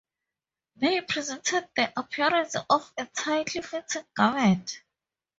They presented the appearance of a tightly-fitting garment.